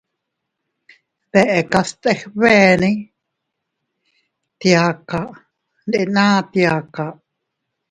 Dekas teg beene, tiaka, ndena tiaka.